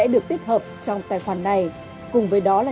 để chúng ta chuyển đổi